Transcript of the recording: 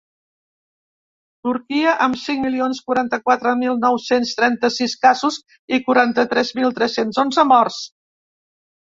Turquia, amb cinc milions quaranta-quatre mil nou-cents trenta-sis casos i quaranta-tres mil tres-cents onze morts.